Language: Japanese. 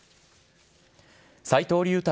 斎藤竜太